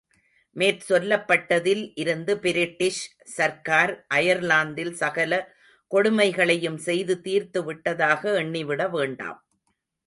மேற்சொல்லப்பட்டதில் இருந்து பிரிட்டிஷ் சர்க்கார் அயர்லாந்தில் சகல கொடுமைகளையும் செய்து தீர்த்துவிட்டதாக எண்ணிவிடவேண்டாம்.